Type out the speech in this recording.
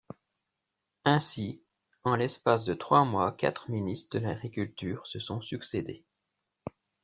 Ainsi, en l'espace de trois mois quatre ministres de l'Agriculture se sont succédé.